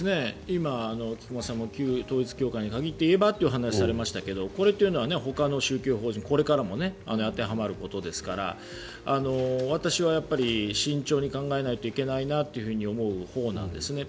今、菊間さんも旧統一教会に限って言えばというお話をされましたけどこれというのは、ほかの宗教法人これからも当てはまることですから私は慎重に考えないといけないなと思うほうなんですね。